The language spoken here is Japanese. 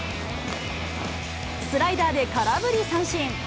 スライダーで空振り三振。